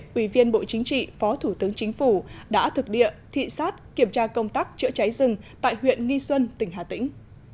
quỳ viên bộ chính trị phó thủ tướng chính phủ đã thực địa thị sát kiểm tra công tác chữa cháy rừng tại huyện nghi xuân tỉnh hà tĩnh